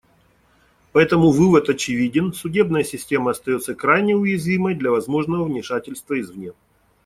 Поэтому вывод очевиден: судебная система остается крайне уязвимой для возможного вмешательства извне.